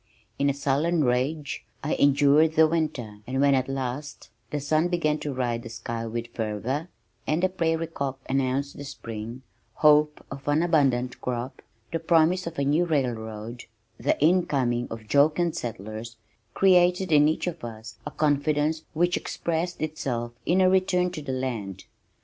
In a sullen rage I endured the winter and when at last the sun began to ride the sky with fervor and the prairie cock announced the spring, hope of an abundant crop, the promise of a new railroad, the incoming of jocund settlers created in each of us a confidence which expressed itself in a return to the land.